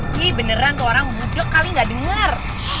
ini beneran itu orang mudok kali nggak denger